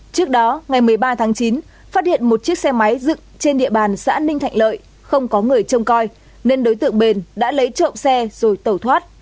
trước đó ngày một mươi ba tháng chín phát hiện một chiếc xe máy dựng trên địa bàn xã ninh thạnh lợi không có người trông coi nên đối tượng bền đã lấy trộm xe rồi tẩu thoát